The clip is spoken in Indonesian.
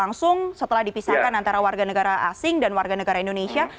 langsung setelah dipisahkan antara warga negara asing dan warga negara indonesia